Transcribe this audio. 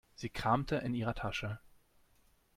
Sie kramte in ihrer Tasche.